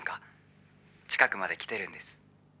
近くまで来てるんです。